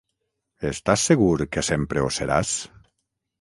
Estàs segur que sempre ho seràs?